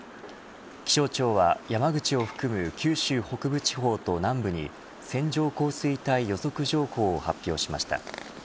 気象庁は山口を含む九州北部地方と南部に線状降水帯予測情報を発表しました。